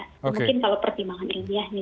mungkin kalau pertimbangan ilmiahnya